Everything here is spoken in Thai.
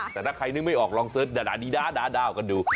ถ้าใครนึกไม่ออกลองเสิร์ชดด่ารดีด่ารด๊ารดายกันดู